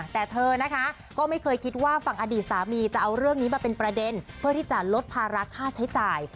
แต่เธอนะคะก็ไม่เคยคิดว่าฝั่งอดีตสามีจะเอาเรื่องนี้มาเป็นประเด็นเพื่อที่จะลดภาระค่าใช้จ่าย